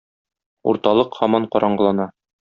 Урталык һаман караңгылана.